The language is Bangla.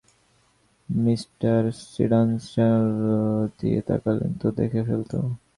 মিঃ সনডার্স জানালা দিয়ে তাকালেই তো দেখে ফেলত।